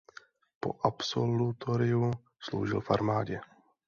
Po absolutoriu sloužil v armádě.